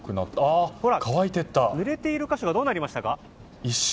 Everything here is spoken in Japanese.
ぬれている箇所がどうなりましたか？